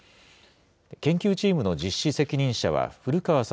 研究チームの実施責任者は古川聡